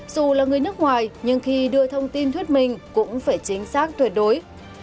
dù là người nước ngoài nhưng khi đưa thông tin thuyết minh cũng phải chính xác tuyệt đối